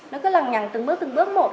nó cứ lằng nhằng từng bước từng bước một